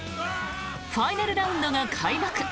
ファイナルラウンドが開幕！